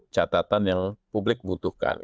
catatan yang publik butuhkan